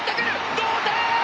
同点！